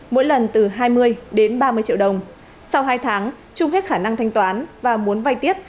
mỗi lần từ hai mươi đến ba mươi triệu đồng sau hai tháng chung hết khả năng thanh toán và muốn vay tiếp